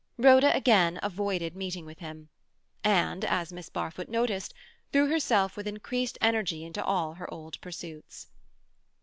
Rhoda again avoided meeting with him, and, as Miss Barfoot noticed, threw herself with increased energy into all her old pursuits.